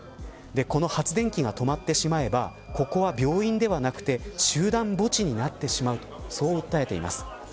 この発電機が止まってしまえばここは病院ではなくて集団墓地になってしまうとそう訴えています。